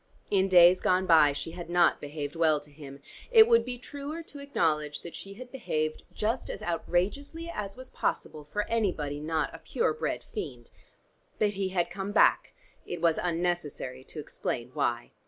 In days gone by she had not behaved well to him; it would be truer to acknowledge that she had behaved just as outrageously as was possible for anybody not a pure bred fiend. But he had come back. It was unnecessary to explain why.